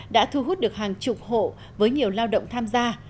đã thu hút được hàng chục hộ với nhiều lao động tham gia